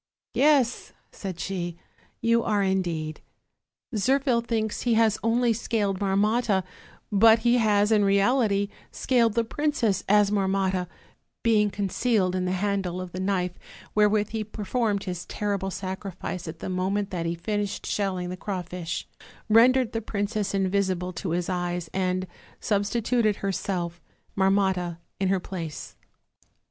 'Yes,' said she, 'you are, indeed; Zirphil thinks he has only scaled Marmotta; but he has in reality scaled the prin cess, as Marmotta, being concealed in the handle of the knife wherewith he performed his terrible sacrifice at the moment that he finished shelling the crawfish, rendered the princess invisible to his eyes, and substituted herself, Marmotta, in her place.'